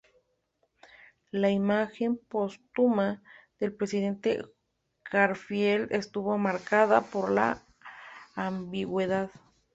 La imagen póstuma del presidente Garfield estuvo marcada por la ambigüedad.